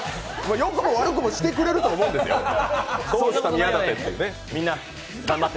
よくも悪くもしてくれると思うんですよ、どうした宮舘って。